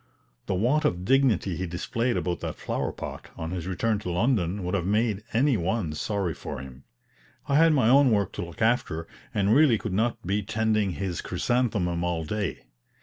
The want of dignity he displayed about that flower pot, on his return to London, would have made any one sorry for him. I had my own work to look after, and really could not be tending his chrysanthemum all day.